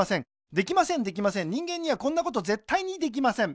できませんできません人間にはこんなことぜったいにできません